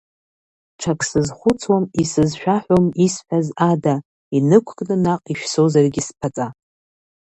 Ҽак сызхәыцуам, исызшәаҳәом исҳәаз ада, инықәкны наҟ ишәсозаргьы сԥаҵа…